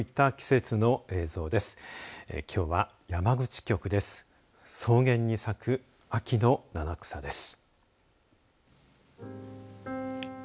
草原に咲く秋の七草です。